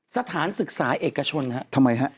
สถานศึกษาเอกชนฮะทำไมฮะ